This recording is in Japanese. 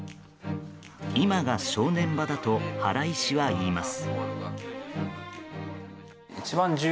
今が正念場だと原医師は言います。